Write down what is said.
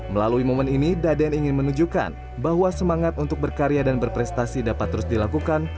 melalui momen ini daden ingin menunjukkan bahwa semangat untuk berkarya dan berprestasi dapat terus dilakukan